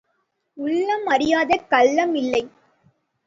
உள்ளம் அறியாத கள்ளம் இல்லை.